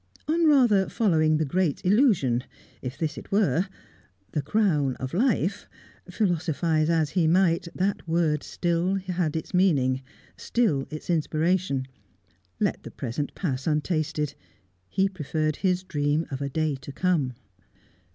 On, rather, following the great illusion, if this it were! "The crown of life" philosophise as he might, that word had still its meaning, still its inspiration. Let the present pass untasted; he preferred his dream of a day to come.